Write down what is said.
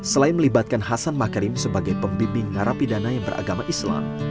selain melibatkan hasan makarim sebagai pembimbing narapidana yang beragama islam